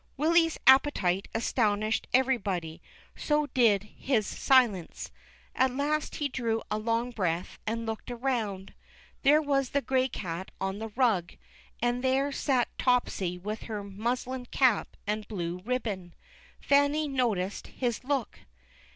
Willy's appetite astonished everybody; so did his 380 THE CHILDREN'S WONDER BOOK. silence. At last he drew a long breath, and looked around. There was the gray cat on the rug, and there sat Topsy with her muslin cap and blue ribbon. Fanny noticed his look.